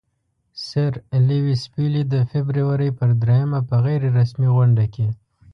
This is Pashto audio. سر لیویس پیلي د فبرورۍ پر دریمه په غیر رسمي غونډه کې.